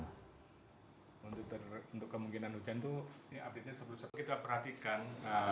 untuk kemungkinan hujan itu ini update nya sebelum sebelumnya